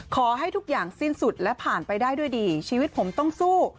ขอให้ทุกอย่างสิ้นสุดและผ่านไปได้ด้วยดีชีวิตผมต้องสู้